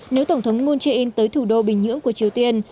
nếu tổng thống moon jae in tới thủ đô bình nhưỡng của triều tiên